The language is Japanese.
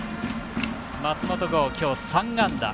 松本剛、今日、３安打。